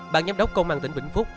bàn giám đốc công an tỉnh vĩnh phúc